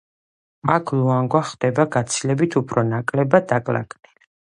აქ ლუანგვა ხდება გაცილებით უფრო ნაკლებად დაკლაკნილი.